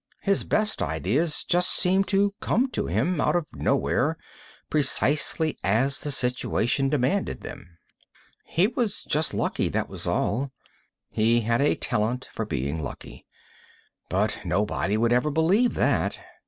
His best ideas just seemed to come to him, out of nowhere, precisely as the situation demanded them. He was just lucky, that was all. He had a talent for being lucky. But nobody would ever believe that.